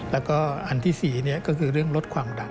แล้วก็อันที่๔ก็คือเรื่องลดความดัน